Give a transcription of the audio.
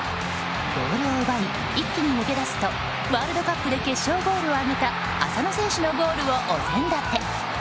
ボールを奪い一気に抜け出すとワールドカップで決勝ゴールを挙げた浅野選手のゴールをお膳立て。